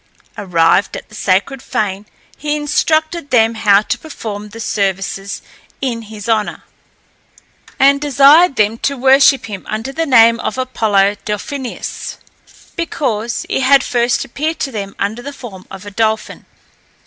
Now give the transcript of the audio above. Arrived at the sacred fane, he instructed them how to perform the services in his honour, and desired them to worship him under the name of Apollo Delphinios, because he had first appeared to them under the form of a dolphin.